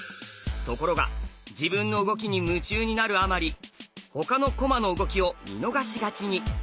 ところが自分の動きに夢中になるあまり他の駒の動きを見逃しがちに。